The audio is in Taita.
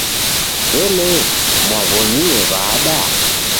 W'elee, mwaaw'onie w'ada?